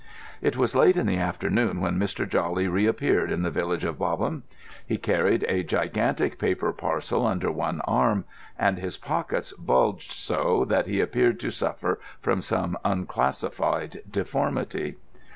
It was late in the afternoon when Mr. Jawley reappeared in the village of Bobham. He carried a gigantic paper parcel under one arm, and his pockets bulged so that he appeared to suffer from some unclassified deformity.